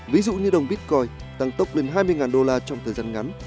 ví dụ như đồng bitcoin tăng tốc lên hai mươi usd trong thời gian ngắn